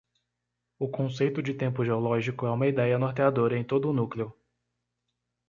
O conceito de tempo geológico é uma ideia norteadora em todo o núcleo.